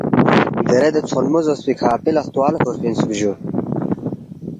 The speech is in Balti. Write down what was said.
دیرے دے ژھونمو زوسپی کھہ اپی لہ ہلتوا لہ کُھورفی اِنسُوک جُو